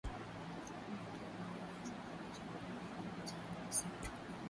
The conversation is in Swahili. moto unaweza kusababisha upungufu wa miti kwenye misitu